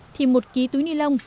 thì một ký túi ni lông